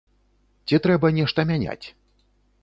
Ці трэба нешта мяняць?